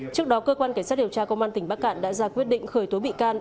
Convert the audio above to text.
trước đó cơ quan cảnh sát điều tra công an tỉnh bắc cạn đã ra quyết định khởi tố bị can